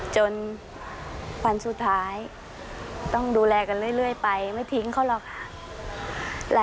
จนวันสุดท้ายต้องดูแลกันเรื่อยไปไม่ทิ้งเขาหรอกค่ะ